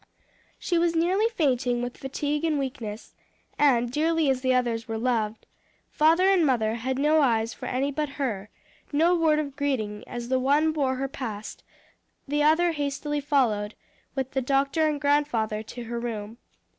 She was nearly fainting with fatigue and weakness, and dearly as the others were loved, father and mother had no eyes for any but her, no word of greeting, as the one bore her past, the other hastily followed, with the doctor and grandfather, to her room.